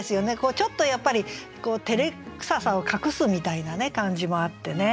ちょっとやっぱりてれくささを隠すみたいな感じもあってね。